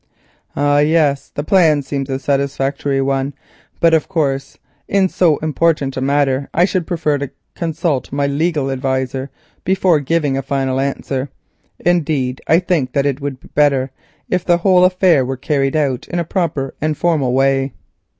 "Ah yes, the plan seems a satisfactory one, but of course in so important a matter I should prefer to consult my legal adviser before giving a final answer, indeed I think that it would be better if the whole affair were carried out in a proper and formal way."